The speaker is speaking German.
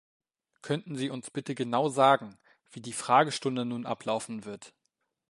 Könnten Sie uns bitte genau sagen, wie die Fragestunde nun ablaufen wird?